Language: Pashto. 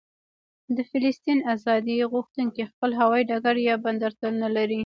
د فلسطین ازادي غوښتونکي خپل هوايي ډګر یا بندر نه لري.